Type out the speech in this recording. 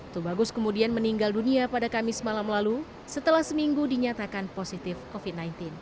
tubagus kemudian meninggal dunia pada kamis malam lalu setelah seminggu dinyatakan positif covid sembilan belas